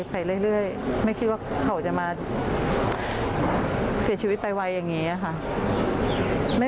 ไปเรื่อยไม่คิดว่าเขาจะมาเสียชีวิตไปไวอย่างนี้ค่ะ